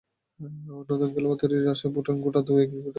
নতুন খেলোয়াড় তৈরির আশায় ভুটান গোটা দু-এক একাডেমি করেছে বেশ আগেই।